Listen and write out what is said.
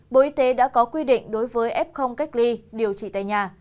bộ y tế đã có quy định đối với f cách ly điều trị tại nhà